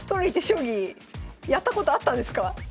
将棋やったことあったんですか？